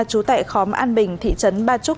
trú tại khóm an bình thị trấn ba trúc